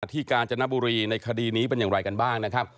กาญจนบุรีในคดีนี้เป็นอย่างไรกันบ้างนะครับ